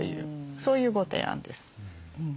そういうご提案です。